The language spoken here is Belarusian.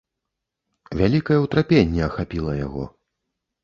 Вялікае ўтрапенне ахапіла яго.